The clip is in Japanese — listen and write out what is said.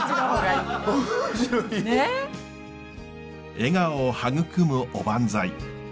笑顔を育むおばんざい。